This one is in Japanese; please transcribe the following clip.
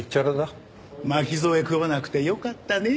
巻き添え食わなくてよかったねえ。